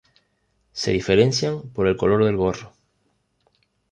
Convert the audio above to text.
Se diferencian por el color del gorro.